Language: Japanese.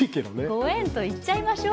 ご縁と言っちゃいましょう。